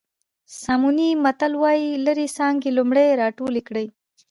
ساموني متل وایي لرې څانګې لومړی راټولې کړئ.